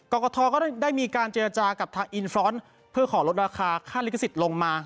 กรกฐก็ได้มีการเจรจากับทางอินฟรอนซ์เพื่อขอลดราคาค่าลิขสิทธิ์ลงมา